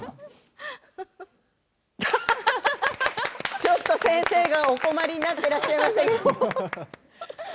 ちょっと先生がお困りになっていらっしゃいましたね。